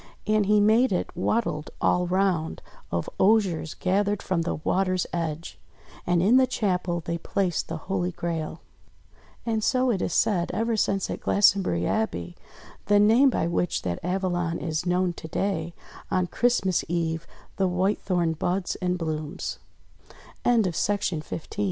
And he made it "wattled all round" of osiers gathered from the water's edge. And in the chapel they placed the Holy Grail. And so, it is said, ever since at Glastonbury Abbey the name by which that Avalon is known to day — on Christmas Eve the White Thorn